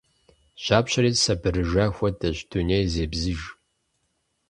Жьапщэри сабырыжа хуэдэщ. Дунейм зебзыж.